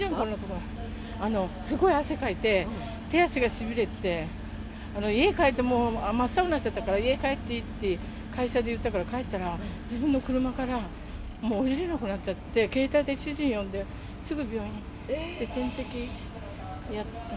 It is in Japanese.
すごい汗かいて、手足がしびれて、家に帰ってもう真っ青になっちゃったから、家帰っていいって、それで帰ったら、自分の車からもう降りれなくなっちゃって、携帯で主人呼んですぐ病院に行って点滴やった。